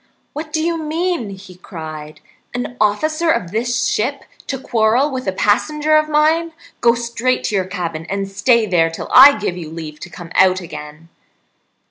"What do you mean?" he cried. "An officer of this ship to quarrel with a passenger of mine! Go straight to your cabin, and stay there till I give you leave to come out again."